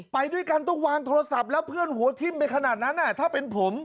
ไปด้วยกันต้องวางโทรศัพท์แล้วเพื่อนหัวทิ้มไปขนาดนั้นถ้าเป็นผม